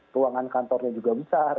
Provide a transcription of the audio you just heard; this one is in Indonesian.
ruangan kantornya juga besar